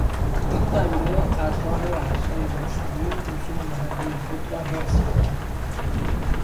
این قبیله از راه رقصهای مذهبی رسوم محلی خود را حفظ میکند.